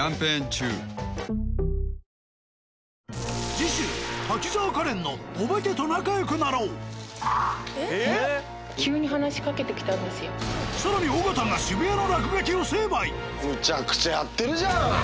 次週滝沢カレンの更に尾形がむちゃくちゃやってるじゃん。